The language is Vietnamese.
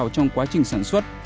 trong quá trình sản xuất